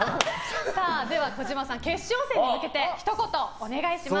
児嶋さん、決勝戦に向けてひと言お願いします。